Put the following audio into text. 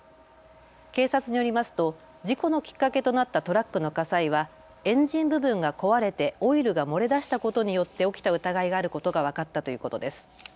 警察によりますと事故のきっかけとなったトラックの火災はエンジン部分が壊れてオイルが漏れ出したことによって起きた疑いがあることが分かったということです。